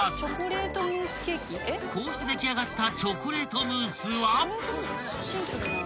［こうして出来上がった］